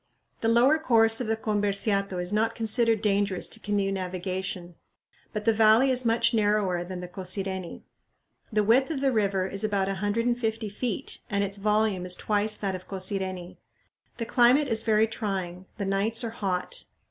The lower course of the Comberciato is not considered dangerous to canoe navigation, but the valley is much narrower than the Cosireni. The width of the river is about 150 feet and its volume is twice that of the Cosireni. The climate is very trying. The nights are hot.